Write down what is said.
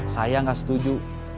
saya gak setuju